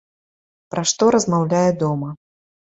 Пра што размаўляе дома.